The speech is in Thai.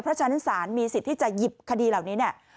เพราะฉะนั้นศาลมีสิทธิ์ที่จะหยิบคดีเหล่านี้เนี่ย